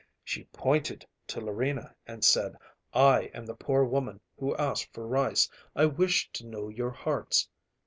She pointed to Larina and said, "I am the poor woman who asked for rice. I wished to know your hearts.